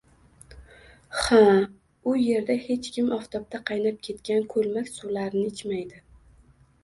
Ha, u yerda hech kim oftobda qaynab ketgan ko‘lmak suvlarni ichmaydi